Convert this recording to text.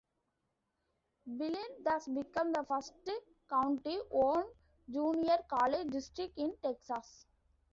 Blinn thus became the first county-owned junior college district in Texas.